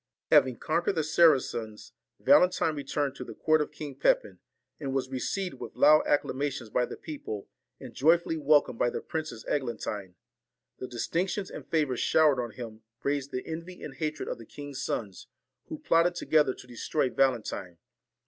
Having conquered the Saracens, Valentine returned to the court of King Pepin, and was received with loud acclamations by the people, and joyfully welcomed by the Princess Eglantine. The distinc tions and favour showered on him raised the envy and hatred of the king's sons, who plotted together to destroy Valentine.